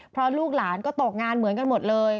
เพราะลูกหลานก็ตกงานเหมือนกันหมดเลย